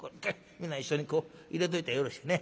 みんな一緒にこう入れといたらよろしいね。